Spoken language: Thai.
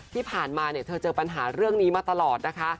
ที่ผ่านมาเนี่ยเธอเจอปัญหาเรื่องนี้มาตลอดนะคะ